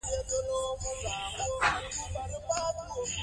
که تاسو د سونا تجربه ونه کړئ، ستونزه نه ده.